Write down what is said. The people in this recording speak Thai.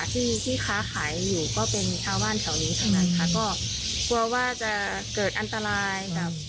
ที่ค้าขายอยู่ก็เป็นอาวั่นแถวนี้สำนักก็กลัวว่าจะเกิดอันตราย